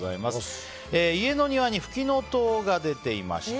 家の庭にフキノトウが出ていました。